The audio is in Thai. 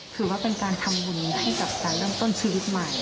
ถือว่าเป็นการทำบุญให้กับการเริ่มต้นชีวิตใหม่